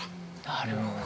なるほど。